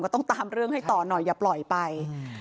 ต้องตามเรื่องให้ต่อหน่อยอย่าปล่อยไป